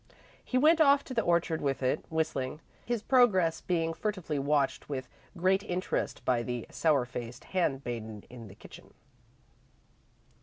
He went off to the orchard with it, whistling, his progress being furtively watched with great interest by the sour faced handmaiden in the kitchen.